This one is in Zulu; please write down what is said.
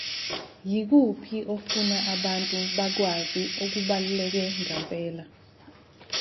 Yikuphi ofuna abantu bakwazi okubaluleke ngempela?